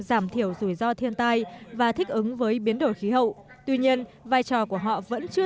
giảm thiểu rủi ro thiên tai và thích ứng với biến đổi khí hậu tuy nhiên vai trò của họ vẫn chưa